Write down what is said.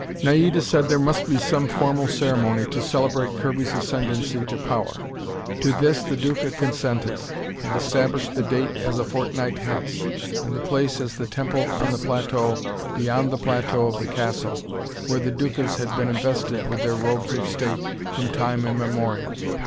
Naida said there must be some formal ceremony to celebrate Kirby's ascendency to power. To this the Duca consented, and established the date as a fortnight hence, and the place as the temple on the plateau beyond the plateau of the castle, where the Ducas had been invested with their robes of state from time immemorial.